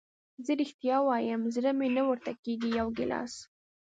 زه رښتیا وایم زړه مې نه ورته کېږي، یو ګیلاس.